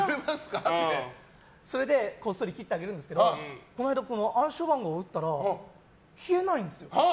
それでこっそり切ってあげるんですけどこの間、暗証番号を打ったら切れないんですよ。